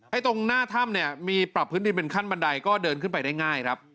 ตรงหน้าถ้ำเนี่ยมีปรับพื้นดินเป็นขั้นบันไดก็เดินขึ้นไปได้ง่ายครับ